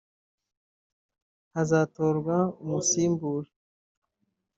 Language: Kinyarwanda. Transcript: hazatorwa umusimbura